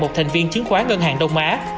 một thành viên chiến khoán ngân hàng đông á